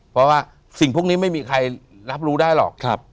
เพราะว่าสิ่งพวกนี้ไม่มีใครรับรู้ได้หรอก